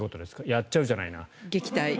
やっちゃうじゃないな。